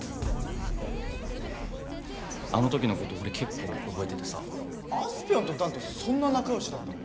えっあの時のこと俺結構覚えててさあすぴょんと弾ってそんな仲良しだったの？